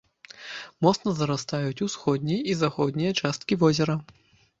Моцна зарастаюць усходняя і заходняя часткі возера.